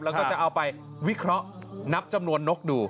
แล้วก็จะเอาไปวิเคราะห์นับจำนวนนกดู